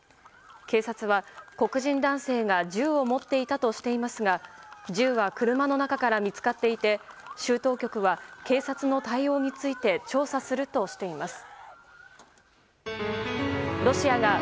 警察は、黒人男性が銃を持っていたとしていますが銃は車の中から見つかっていて州当局は警察の対応について調査するとしています。